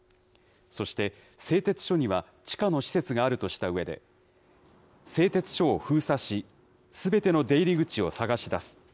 そして製鉄所には地下の施設があるとしたうえで、製鉄所を封鎖し、すべての出入り口を探し出す。